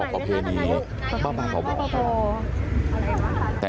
อยู่จากตรงนี้ตอนนายกบอกประเพณี